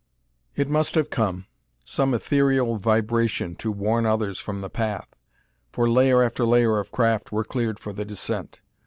It must have come some ethereal vibration to warn others from the path for layer after layer of craft were cleared for the descent.